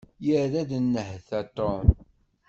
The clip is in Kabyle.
Yerra-d nnehta Tom.